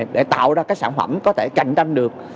để tạo ra các sản phẩm có thể cạnh tranh được